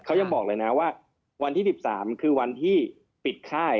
เขายังบอกเลยนะว่าวันที่๑๓คือวันที่ปิดค่าย